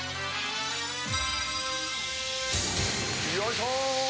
よいしょ。